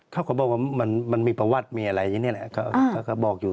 เขาก็บอกว่ามันมีประวัติมีอะไรอย่างนี้แหละเขาก็บอกอยู่